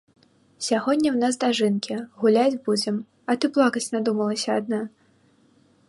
Сягоння ў нас дажынкі, гуляць будзем, а ты плакаць надумалася адна.